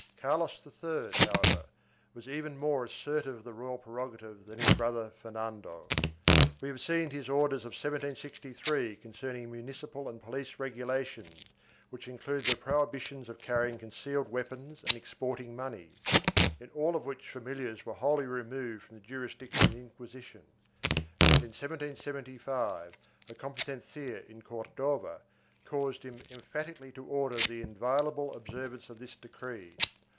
4 Carlos III, however, was even more assertive of the royal prerogative than his brother Fernando. We have seen his orders of 1763 concerning municipal and police regulations which included the prohibitions of carrying concealed weapons and exporting money, in all of which familiars were wholly re moved from the jurisdiction of the Inquisition, and in 1775 a competencia in Cordova caused him emphatically to order the inviolable observance of this decree.